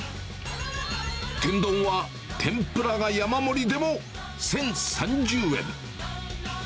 天丼は天ぷらが山盛りでも１０３０円。